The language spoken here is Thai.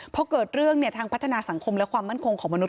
พอเกิดเรื่องทางพัฒนาสังคมและความมั่นคงของมนุษ